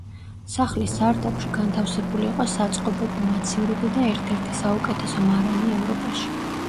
სახლის სარდაფში განთავსებული იყო საწყობები, მაცივრები და ერთ-ერთი საუკეთესო მარანი ევროპაში.